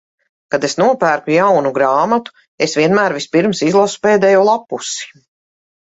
Kad es nopērku jaunu grāmatu, es vienmēr vispirms izlasu pēdējo lappusi.